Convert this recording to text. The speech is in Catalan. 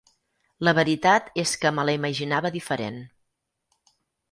La veritat és que me la imaginava diferent.